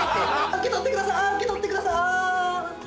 受け取ってください受け取ってください。